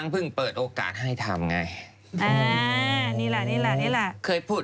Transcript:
เพิ่งเปิดโอกาสให้ทำไงโอ้โห